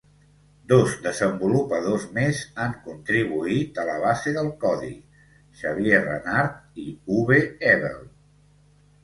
Dos desenvolupadors més han contribuït a la base del codi: Xavier Renard i Uwe Ebel.